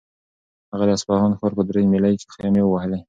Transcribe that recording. هغه د اصفهان ښار په درې میلۍ کې خیمې ووهلې.